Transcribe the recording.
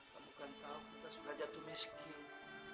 kamu kan tahu kita sudah jatuh miskin